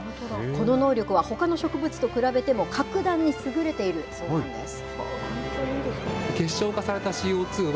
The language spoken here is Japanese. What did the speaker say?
この能力は、ほかの植物と比べても、格段に優れているそうなんです。